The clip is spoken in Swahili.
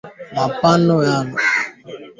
Mapafu kugeuka mekundu